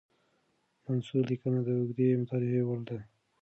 منثور لیکنه د اوږدې مطالعې وړ ده.